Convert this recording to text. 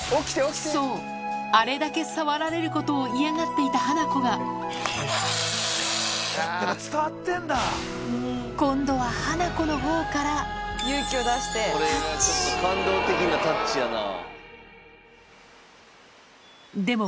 そうあれだけ触られることを嫌がっていたハナコが今度はハナコのほうから感動的なタッチやな。